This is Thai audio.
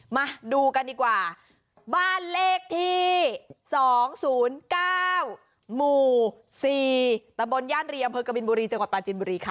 มาดูกันดีกว่าบ้านเลขที่๒๐๙หมู่๔ตะบนญานเรียมเพิร์กกรนิมุภิจังหวัดภาคจิ้นมุภิค่ะ